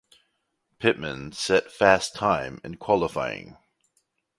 Pittman set fast time in qualifying.